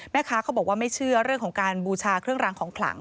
เขาบอกว่าไม่เชื่อเรื่องของการบูชาเครื่องรางของขลัง